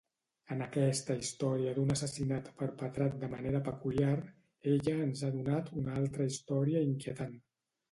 En aquesta història d'un assassinat perpetrat de manera peculiar, ella ens ha donat una altra història inquietant.